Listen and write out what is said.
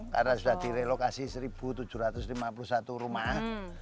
karena sudah direlokasi seribu tujuh ratus lima puluh satu rumah